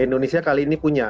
indonesia kali ini punya